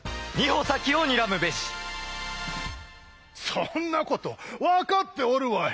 そんなこと分かっておるわい！